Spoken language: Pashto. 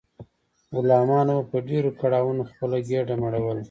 غلامانو به په ډیرو کړاوونو خپله ګیډه مړوله.